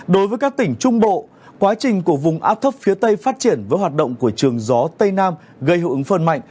đối với các tỉnh trung bộ quá trình của vùng áp thấp phía tây phát triển với hoạt động của trường gió tây nam gây hữu ứng phân mạnh